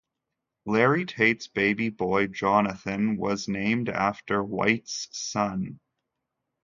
Larry Tate's baby boy Jonathan was named after White's son.